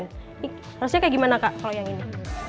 harusnya kayak gimana kak kalau yang ini